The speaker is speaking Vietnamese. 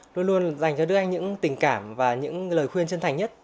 luôn luôn là dành cho đức anh những tình cảm và những lời khuyên chân thành nhất